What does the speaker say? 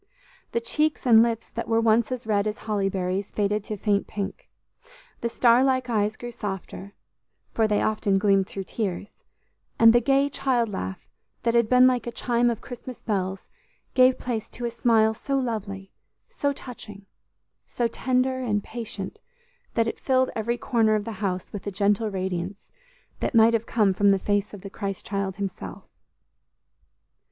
The cheeks and lips that were once as red as holly berries faded to faint pink; the star like eyes grew softer, for they often gleamed through tears; and the gay child laugh, that had been like a chime of Christmas bells, gave place to a smile so lovely, so touching, so tender and patient, that it filled every corner of the house with a gentle radiance that might have come from the face of the Christ child himself.